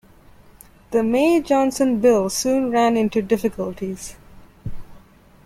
The May-Johnson bill soon ran into difficulties.